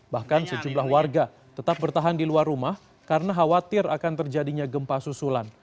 bahkan sejumlah warga tetap bertahan di luar rumah karena khawatir akan terjadinya gempa susulan